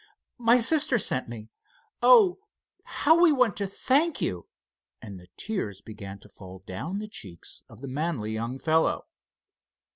"My sister sent me. Oh, how we want to thank you," and the tears began to fall down the cheeks of the manly young fellow.